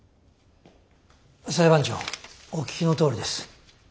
裁判長お聞きのとおりです。